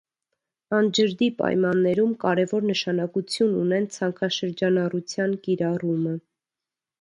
Անջրդի պայմաններում կարևոր նշանակություն ունեն ցանքաշրջանառության կիրառումը։